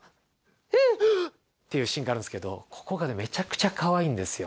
フゥハッ！っていうシーンがあるんですけどめちゃくちゃかわいいんですよ。